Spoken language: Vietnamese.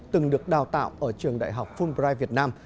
từng được đào tạo ở trường đại học fulbrigh việt nam